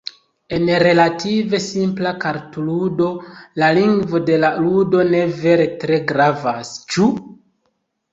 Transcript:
En relative simpla kartludo la lingvo de la ludo ne vere tre gravas, ĉu?